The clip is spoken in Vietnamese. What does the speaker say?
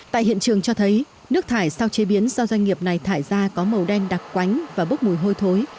tại hiện trường cho thấy nước thải sau chế biến do doanh nghiệp này thải ra có màu đen đặc quánh và bốc mùi hôi thối